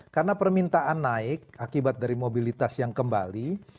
karena permintaan naik akibat dari mobilitas yang kembali